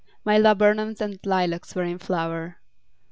My laburnums and lilacs were in flower.